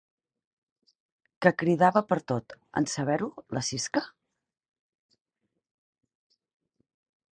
Què cridava pertot, en saber-ho, la Sisca?